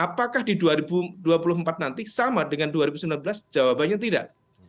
apakah di dua ribu dua puluh empat nanti sama dengan dua ribu sembilan belas jawabannya tidak